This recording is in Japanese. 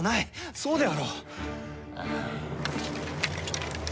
そうであろう？